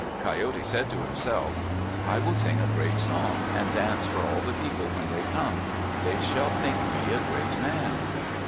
Coyote said to himself, "I will sing a great song, and dance for all the people when they come. They shall think me a great man."